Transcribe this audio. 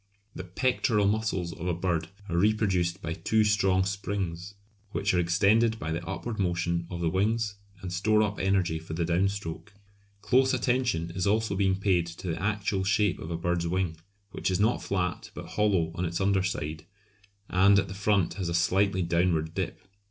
The pectoral muscles of a bird are reproduced by two strong springs which are extended by the upward motion of the wings and store up energy for the down stroke. Close attention is also being paid to the actual shape of a bird's wing, which is not flat but hollow on its under side, and at the front has a slightly downward dip.